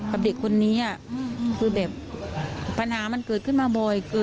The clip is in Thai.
กับเด็กคนนี้คือแบบปัญหามันเกิดขึ้นมาบ่อย